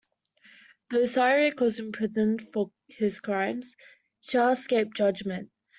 Though Cyric was imprisoned for his crimes, Shar escaped judgement.